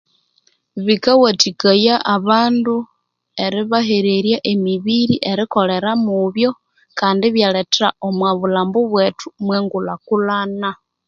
Bikawathikaya abandu eribahererya emibiri erikolera mubyo kandi ibyaletha kandi ibyaletha omwabulhambo bwethu mwengulhakulhana.